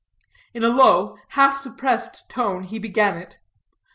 In a low, half suppressed tone, he began it.